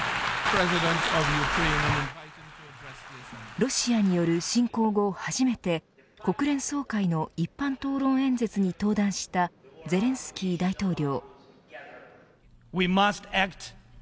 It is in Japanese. ロシアによる侵攻後始めて国連総会の一般討論演説に登壇したゼレンスキー大統領。